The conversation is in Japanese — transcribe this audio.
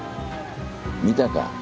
見たか？